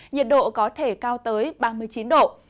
nhiệt độ có thể cao tới ba mươi chín độ